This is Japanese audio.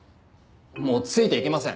もうついていけません。